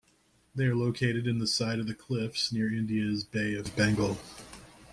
They are located in the side of the cliffs near India's Bay of Bengal.